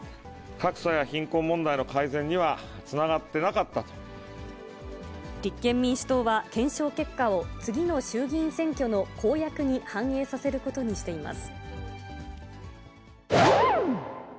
格差や貧困問題の改善にはつなが立憲民主党は、検証結果を次の衆議院選挙の公約に反映させることにしています。